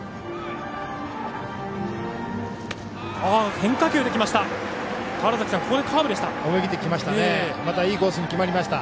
変化球できました。